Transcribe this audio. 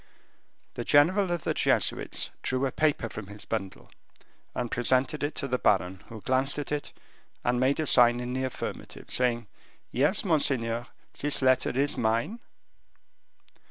The general of the Jesuits drew a paper from his bundle, and presented it to the baron, who glanced at it, and made a sign in the affirmative, saying, "Yes, monseigneur, this letter is mine."